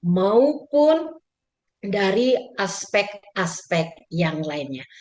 maupun dari aspek aspek yang lainnya